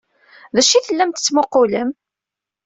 D acu ay tellam tettmuqqulem?